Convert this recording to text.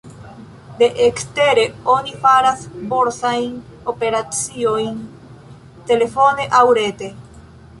De ekstere oni faras borsajn operaciojn telefone aŭ rete.